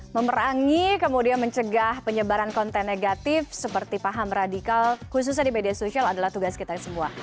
memerangi kemudian mencegah penyebaran konten negatif seperti paham radikal khususnya di media sosial adalah tugas kita semua